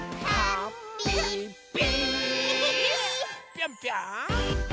ぴょんぴょん！